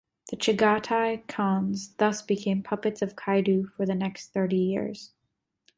The Chagatai Khans thus became puppets of Kaidu for the next thirty years.